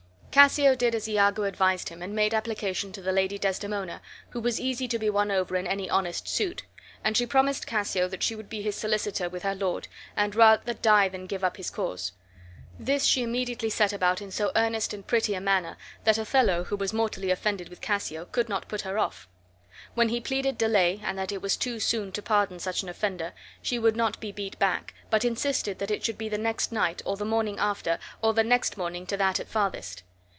Cassio did as Iago advised him, and made application to the Lady Desdemona, who was easy to be won over in any honest suit; and she promised Cassio that she should be his solicitor with her lord, and rather die than give up his cause. This she immediately set about in so earnest and pretty a manner that Othello, who was mortally offended with Cassio, could not put her off. When he pleaded delay, and that it was too soon to pardon such an offender, she would not be beat back, but insisted that it should be the next night, or the morning after, or the next morning to that at farthest.